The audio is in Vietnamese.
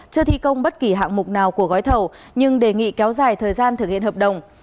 chưa thi công bất kỳ hạng mục nào của gói thầu nhưng đề nghị kéo dài thời gian thực hiện hợp đồng